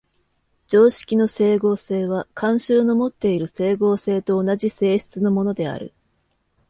常識の斉合性は慣習のもっている斉合性と同じ性質のものである。